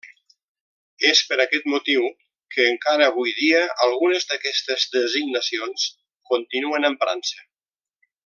És per aquest motiu que encara avui dia algunes d'aquestes designacions continuen emprant-se.